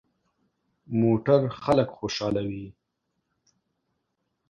موټر خلک خوشحالوي.